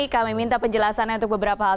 kami minta penjelasannya untuk beberapa hal